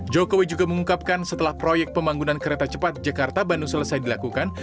jokowi juga mengungkapkan setelah proyek pembangunan kereta cepat jakarta bandung selesai dilakukan